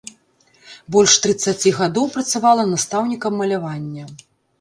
Больш трыццаці гадоў працавала настаўнікам малявання.